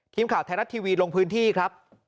ทีมข่าวไทยรัฐทีวีลงพื้นที่ครับ